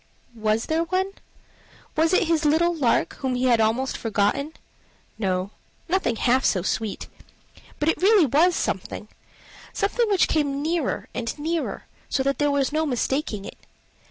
Was there one? was it his little lark, whom he had almost forgotten? No, nothing half so sweet. But it really was something something which came nearer and nearer, so that there was no mistaking it.